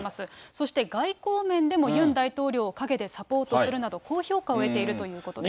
そして外交面でもユン大統領を陰でサポートするなど、高評価を得ているということです。